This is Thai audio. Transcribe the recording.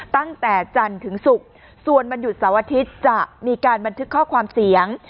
ตั้งแต่จันทร์ถึงศุกร์ส่วนวันหยุดเสาร์อาทิตย์จะมีการบันทึกข้อความเสียง